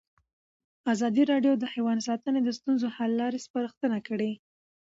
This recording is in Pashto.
ازادي راډیو د حیوان ساتنه د ستونزو حل لارې سپارښتنې کړي.